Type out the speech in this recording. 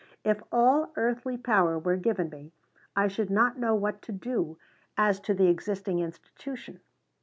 If all earthly power were given me, I should not know what to do as to the existing institution.